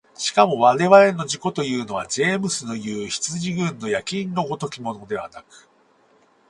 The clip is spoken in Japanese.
しかも我々の自己というのはジェームスのいう羊群の焼印の如きものではなく、